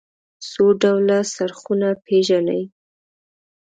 څو ډوله څرخونه پيژنئ.